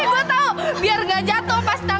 mendingan juga dia